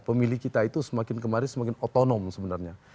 pemilih kita itu semakin kemarin semakin otonom sebenarnya